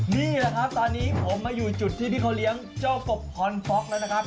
นี่แหละครับตอนนี้ผมมาอยู่จุดที่พี่เขาเลี้ยงเจ้ากบคอนฟ็อกแล้วนะครับ